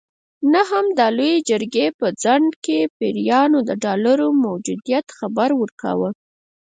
نه هم د لویې جرګې په څنډه کې پیریانو د ډالرو موجودیت خبر ورکاوه.